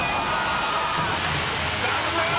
［残念！